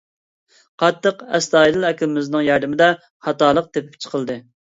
قاتتىق ئەستايىدىل ئاكىلىرىمىزنىڭ ياردىمىدە خاتالىق تېپىپ چىقىلدى.